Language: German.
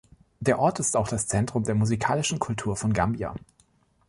Der Ort ist auch das Zentrum der musikalischen Kultur von Gambia.